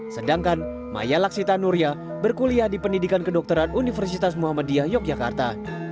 sedangkan maya laksita nuria berkuliah di pendidikan kedokteran universitas muhammadiyah yogyakarta